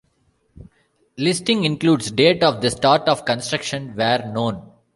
Listing includes date of the start of construction where known.